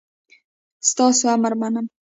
ستاسو امر منم